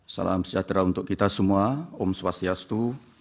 salam sejahtera untuk kita semua om swastiastu